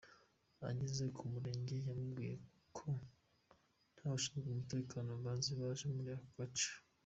Ageze ku Murenge bamubwiye ko nta bashinzwe umutekano bazi baje muri ako gace!